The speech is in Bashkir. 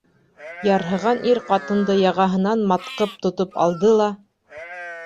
Ярһыған ир ҡатынды яғаһынан матҡып тотоп алды ла: